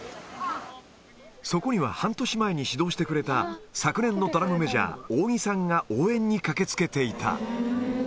そこには、半年前に指導してくれた、昨年のドラムメジャー、扇さんが応援に駆けつけていた。